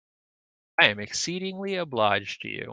I am exceedingly obliged to you.